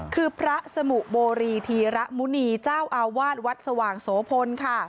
คือพระสมุโบรีธีระมุณีเจ้าอาวาสวัดสว่างโสพลค่ะ